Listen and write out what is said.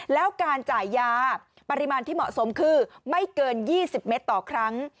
แล้วการจ่ายยาปริมาณที่เหมาะสมคือไม่เกิน๒๐เมตรต่อครั้ง